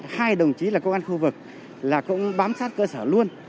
hai đồng chí là công an khu vực là cũng bám sát cơ sở luôn